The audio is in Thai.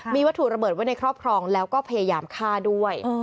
มีวัตถุระเบิดไว้ในครอบครองแล้วก็พยายามฆ่าด้วย